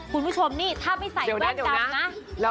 คุณผู้ชมนี่ถ้าไม่ใส่แว่นดำนะ